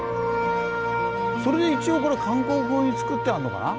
それで一応これ韓国風につくってあるのかな？